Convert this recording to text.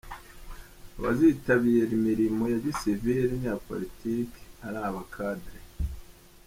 Abazitabira Imilimo ya gisivire n’iya Politiki ari aba Cadre